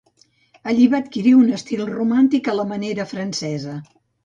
Allí va adquirir un estil romàntic a la manera francesa.